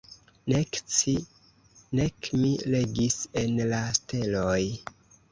Nek ci nek mi legis en la steloj.